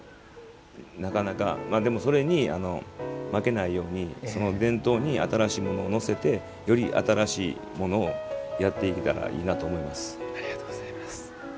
それに、負けないようにその伝統に新しいものを乗せてより新しいものをやっていけたらいいなと思います。